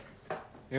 いや。